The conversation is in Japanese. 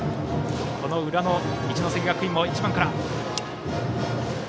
裏の一関学院も１番から。